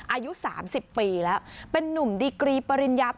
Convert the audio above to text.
อายุ๓๐ปีแล้วเป็นหนุ่มดิปริญญาโท